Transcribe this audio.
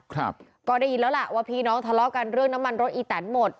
ครับก็ได้ยินแล้วล่ะว่าพี่น้องทะเลาะกันเรื่องน้ำมันรถอีแตนหมด